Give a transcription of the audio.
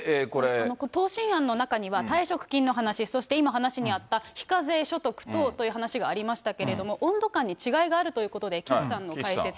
答申案の中には退職金の話、そして今、話にあった非課税所得との話がありましたけれども、温度感に違いがあるということで、岸さんの解説。